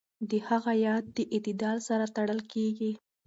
د هغه ياد د اعتدال سره تړل کېږي.